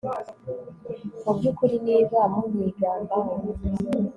mu by'ukuri, niba munyigambaho